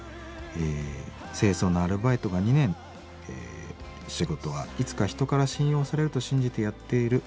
清掃のアルバイトが２年仕事はいつか人から信用されると信じてやっている。